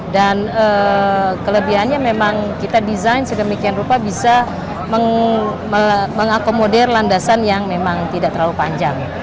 dan kelebihannya memang kita desain sedemikian rupa bisa mengakomodir landasan yang memang tidak terlalu panjang